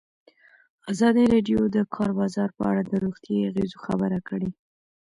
ازادي راډیو د د کار بازار په اړه د روغتیایي اغېزو خبره کړې.